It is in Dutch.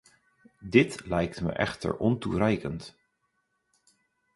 Dit lijkt me echter ontoereikend.